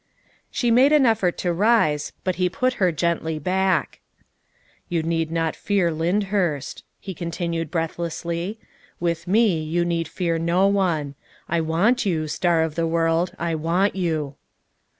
She made an effort to rise, but he put her gently back. " You need not fear Lyndhurst," he continued breathlessly. '' With me you need fear no one. I want you, Star of the World, I want you."